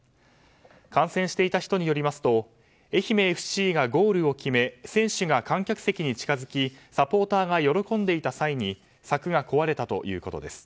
観戦していた人によりますと愛媛ＦＣがゴールを決め選手が観客席に近づきサポーターが喜んでいた際に柵が壊れたということです。